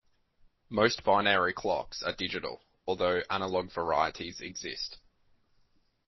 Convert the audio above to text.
Most binary clocks are digital, although analog varieties exist.